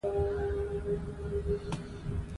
نو الله تعالی د داسي چا څخه د خپلو نعمتونو متعلق